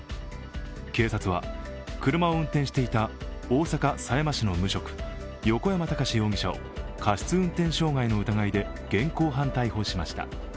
警察は車を運転していた大阪狭山市の無職、横山孝容疑者を過失運転傷害の疑いで現行犯逮捕しました。